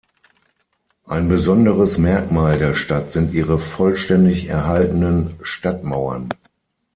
Ein besonderes Merkmal der Stadt sind ihre vollständig erhaltenen Stadtmauern.